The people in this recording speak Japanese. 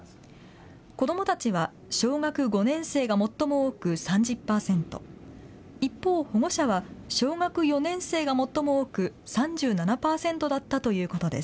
子どもたちは小学５年生が最も多く３０％、一方、保護者は小学４年生が最も多く３７％だったということです。